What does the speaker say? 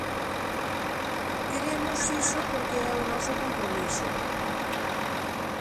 Queremos iso porque é o noso compromiso.